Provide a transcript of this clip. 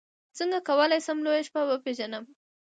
څنګه کولی شم لویه شپه وپېژنم